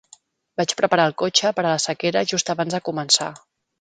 Vaig preparar el cotxe per a la sequera just abans de començar.